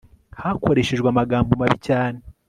hakoreshejwe amagambo mabi cyane